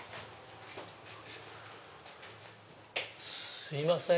すいません